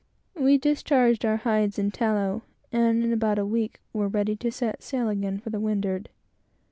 We discharged our hides and tallow, and in about a week were ready to set sail again for the windward.